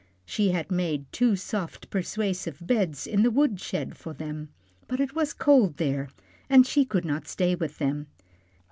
She had made two soft, persuasive beds in the wood shed for them; but it was cold there, and she could not stay with them.